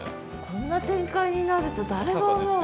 こんな展開になると誰が思う？